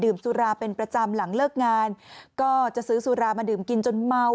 สุราเป็นประจำหลังเลิกงานก็จะซื้อสุรามาดื่มกินจนเมา